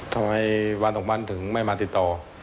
ทำไมวันสองวันถึงไม่มาติดต่อ